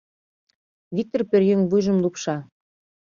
— Виктыр пӧръеҥ вуйжым лупша.